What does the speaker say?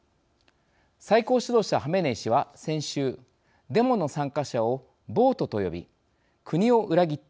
最高指導者ハメネイ師は先週、デモの参加者を暴徒と呼び「国を裏切った。